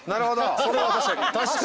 それは確かに。